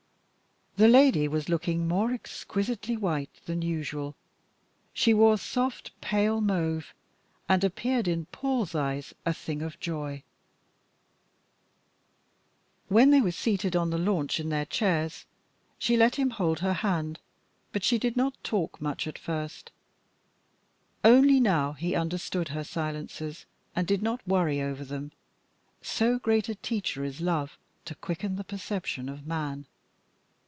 The lady was looking more exquisitely white than usual; she wore soft pale mauve, and appeared in Paul's eyes a thing of joy. When they were seated on the launch in their chairs, she let him hold her hand, but she did not talk much at first; only now he understood her silences, and did not worry over them so great a teacher is love to quicken the perception of man.